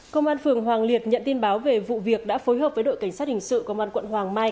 công an phường hoàng liệt nhận tin báo về vụ việc đã phối hợp với đội cảnh sát hình sự công an quận hoàng mai